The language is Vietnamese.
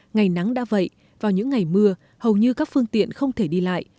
ngày nắng đã vậy vào những ngày mưa hầu như các phương tiện không thể đi lại